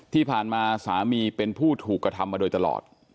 ที่ผ่านมาสามีเป็นผู้ถูกกระทำมาโดยตลอด